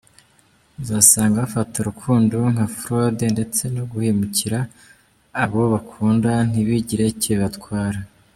Usanga bafata urukundo nka fraude ndetse no guhemukira abo bakunda ntibigire icyo bibatwara.